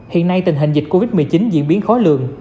hiện nay tình hình dịch covid một mươi chín diễn biến khó lường